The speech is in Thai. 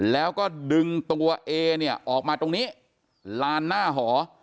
แล้วก็ดึงตัวเอเนี่ยออกมาตรงนี้ลานหน้าหอ